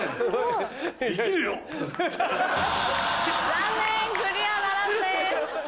残念クリアならずです。